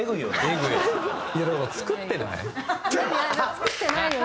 作ってないよ。